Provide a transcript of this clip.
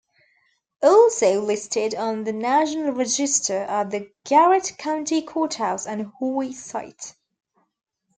Also listed on the National Register are the Garrett County Courthouse and Hoye Site.